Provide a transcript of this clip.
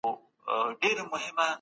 د جنګ دوام هېواد ته ډېر زیانونه واړول.